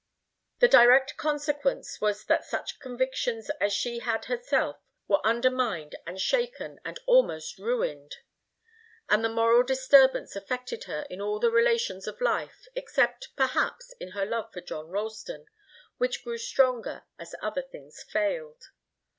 The direct consequence was that such convictions as she had herself were undermined and shaken and almost ruined, and the moral disturbance affected her in all the relations of life, except, perhaps, in her love for John Ralston, which grew stronger as other things failed.